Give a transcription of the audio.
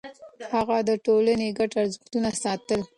هغه د ټولنې ګډ ارزښتونه ساتل.